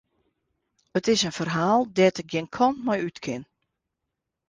It is in ferhaal dêr't ik gjin kant mei út kin.